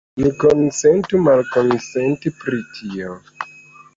Ni konsentu malkonsenti pri tio.